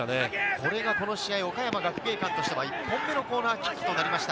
これがこの試合、岡山学芸館としては１本目のコーナーキックとなりました。